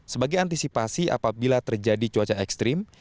sebagai antisipasi apabila terjadi cuaca ekstrim